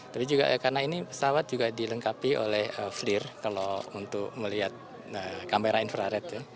tapi juga karena ini pesawat juga dilengkapi oleh flear kalau untuk melihat kamera infrared